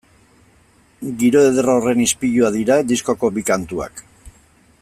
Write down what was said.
Giro eder horren ispilua dira diskoko bi kantuak.